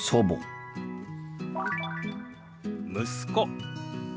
「息子」。